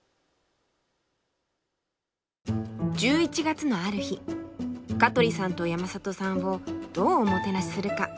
１１月のある日香取さんと山里さんをどうおもてなしするか？